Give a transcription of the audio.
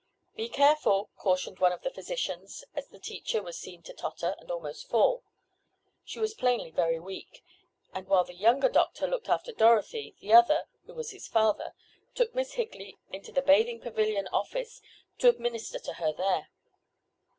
"Be careful," cautioned one of the physicians, as the teacher was seen to totter, and almost fall. She was plainly very weak, and, while the younger doctor looked after Dorothy the other, who was his father, took Miss Higley into the bathing pavilion office to administer to her there.